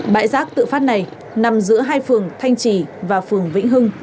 bãi rác tự phát này nằm giữa hai phường thanh trì và phường vĩnh hưng